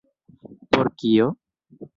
Por kio?